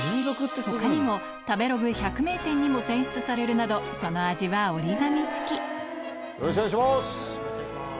他にも食べログ百名店にも選出されるなどその味は折り紙付きよろしくお願いします。